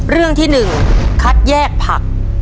เรื่องที่๑คัดแยกผัก